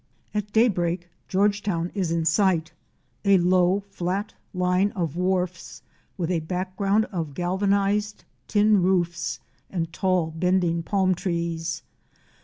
At day break Georgetown is in sight — a low, flat line of wharfs, with a background of galvanized tin roofs and tall bending palm trees.